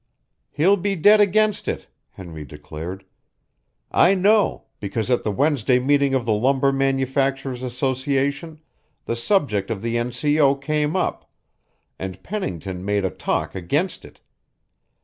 "He'll be dead against it," Henry declared. "I know, because at the Wednesday meeting of the Lumber Manufacturers' Association the subject of the N. C. O. came up, and Pennington made a talk against it.